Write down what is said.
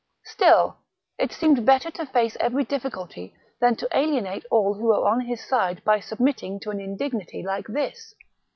Still, it seemed better to face every difficulty than to alienate all who were on his side by submitting to an indignity like this.